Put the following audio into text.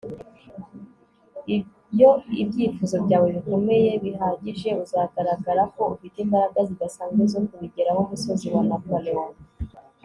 iyo ibyifuzo byawe bikomeye bihagije uzagaragara ko ufite imbaraga zidasanzwe zo kubigeraho. - umusozi wa napoleon